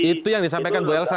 itu yang disampaikan bu elsa